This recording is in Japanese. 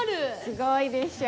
すごいでしょ。